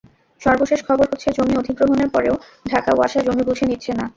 সর্বশেষ খবর হচ্ছে, জমি অধিগ্রহণের পরও ঢাকা ওয়াসা জমি বুঝে নিচ্ছে না।